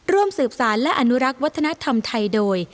ร่วมสืบสารและอนุรักษ์วัฒนธรรมไทยโดย